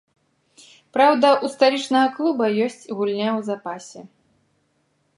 Праўда, у сталічнага клуба ёсць гульня ў запасе.